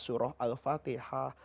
baca surah al fatihah